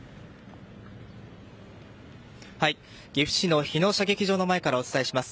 岐阜市の日野射撃場の前からお伝えします。